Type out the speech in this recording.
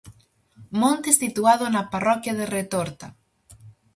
Monte situado na parroquia de Retorta.